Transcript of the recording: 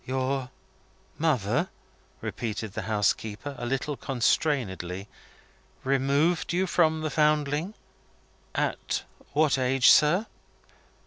"Your mother," repeated the housekeeper, a little constrainedly, "removed you from the Foundling? At what age, sir?"